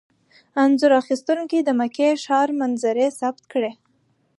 انځور اخیستونکي د مکې ښاري منظرې ثبت کړي.